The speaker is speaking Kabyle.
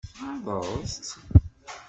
Tɣaḍeḍ-tt?